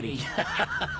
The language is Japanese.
ハハハ！